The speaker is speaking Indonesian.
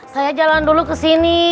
saya jalan dulu kesini